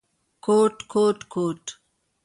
کوټ، کوټ ، کوټ ….